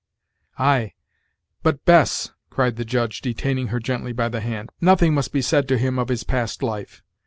"Ay! but, Bess," cried the judge, detaining her gently by the hand, "nothing must be said to him of his past life.